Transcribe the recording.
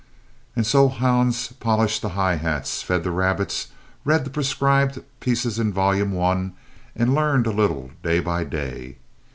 And so Hans polished the high hats, fed the rabbits, read the prescribed pieces in Volume One and learned a little day by day.